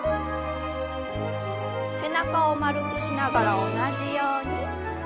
背中を丸くしながら同じように。